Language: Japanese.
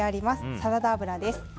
サラダ油です。